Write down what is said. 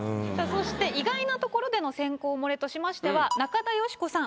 さぁそして意外なところでの選考漏れとしましては。